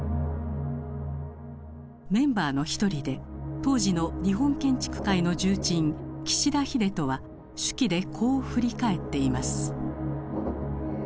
メンバーの一人で当時の日本建築界の重鎮岸田日出刀は手記でこう振り返っています。